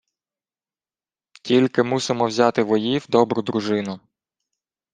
— Тільки мусимо взяти воїв добру дружину.